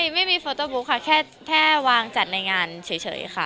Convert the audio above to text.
ไม่มีโฟโต้บุ๊กค่ะแค่วางจัดในงานเฉยค่ะ